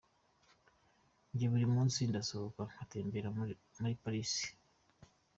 Njye buri munsi ndasohoka ngatembera muri Paris”.